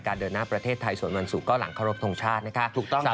สวัสดีพี่หมายวันใหญ่หน่อยด้วยนะครับ